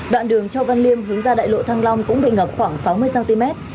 đoạn đường châu văn liêm hướng ra đại lộ thăng long cũng bị ngập khoảng sáu mươi cm